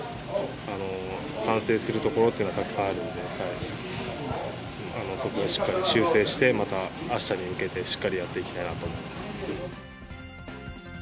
反省するところというのはたくさんあるので、そこをしっかり修正して、またあしたに向けてしっかりやっていきたいなと思います。